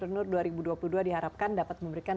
reneur dua ribu dua puluh dua diharapkan dapat memberikan